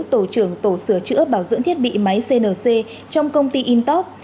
tổ trưởng tổ sửa chữa bảo dưỡng thiết bị máy cnc trong công ty intop